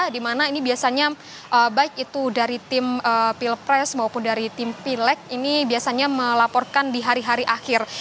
di mana ini biasanya baik itu dari tim pilpres maupun dari tim pileg ini biasanya melaporkan di hari hari akhir